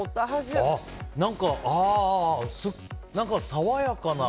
何か爽やかな。